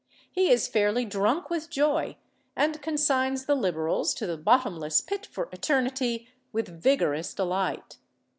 He is fairly drunk with joy and consigns the Liberals to the bottomless pit for eternity with vigorous delight.